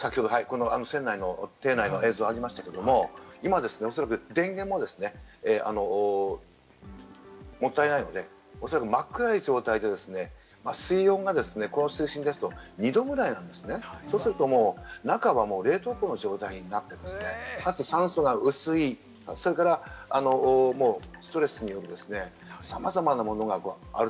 艇内の映像が先ほどありましたが、今おそらく電源ももったいないので、おそらく真っ暗な状態で水温がこの水深ですと２度ぐらい、中は冷凍庫のような状態になっているので、かつ酸素が薄い、それからストレスによるさまざまなものがある。